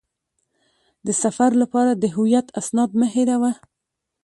د سفر لپاره د هویت اسناد مه هېروه.